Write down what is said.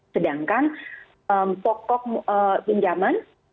sedangkan pokok pinjaman